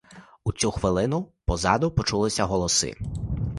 У цю хвилину позаду почулися голоси.